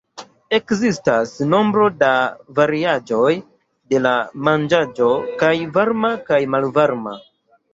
Ekzistas nombro da variaĵoj de la manĝaĵo, kaj varma kaj malvarma.